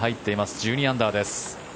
１２アンダーです。